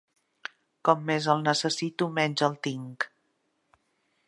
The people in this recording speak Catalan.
Com més el necessito, menys el tinc.